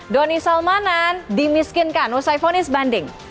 doni salmanan dimiskinkan usai fonis banding